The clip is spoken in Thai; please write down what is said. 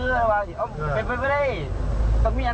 เพราะว่าเจ้าขูงพักกันพ่อมันพอขูงพักกันเอ้อเจ้ารู้กัน